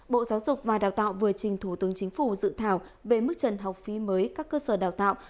bộ giáo dục và đào tạo vừa trình thủ tướng chính phủ dự thảo về mức trần học phí mới các cơ sở đào tạo